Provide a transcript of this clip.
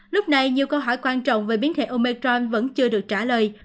lúc này nhiều câu hỏi quan trọng về biến thể omecron vẫn chưa được trả lời